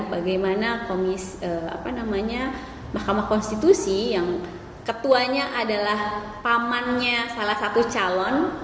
bagaimana mahkamah konstitusi yang ketuanya adalah pamannya salah satu calon